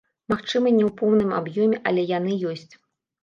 Магчыма, не ў поўным аб'ёме, але яны ёсць.